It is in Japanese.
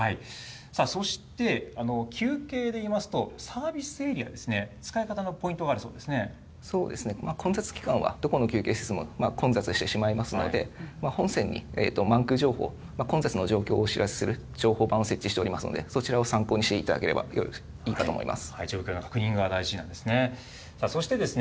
そして、休憩でいいますと、サービスエリアですね、使い方のポイ混雑期間はどこの休憩室も混雑してしまいますので、ほんせんに満空情報、混雑の状況をお知らせする情報板を設置しておりますので、そちらを参考していただければいいかと思います。